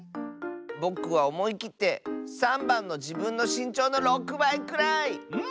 ぼくはおもいきって３ばんの「じぶんのしんちょうの６ばいくらい」！